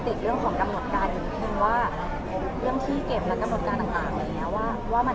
ที่จะเก็บศพไว้มามีผู้สนถึง๑๐๐วัน